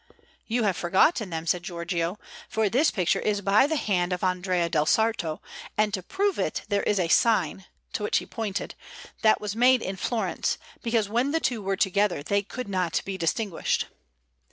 "You have forgotten them," said Giorgio, "for this picture is by the hand of Andrea del Sarto; and to prove it, there is a sign (to which he pointed) that was made in Florence, because when the two were together they could not be distinguished."